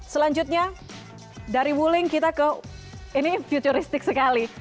selanjutnya dari wuling kita ke ini futuristik sekali